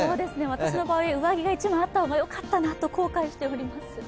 私の場合、上着が１枚あった方がよかったなと後悔しています。